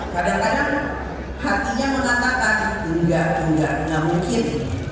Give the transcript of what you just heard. kadang kadang hatinya mengatakan enggak enggak mungkin